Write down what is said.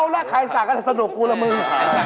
อ๋อแล้วใครสั่งก็ได้สนุกกูแล้วมึง